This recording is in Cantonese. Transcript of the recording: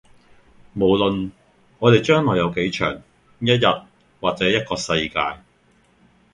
無論我哋嘅將來有幾長，一日或者一個世界